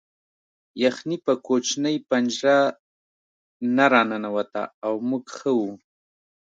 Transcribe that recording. یخني په کوچنۍ پنجره نه راننوته او موږ ښه وو